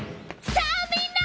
さあみんな！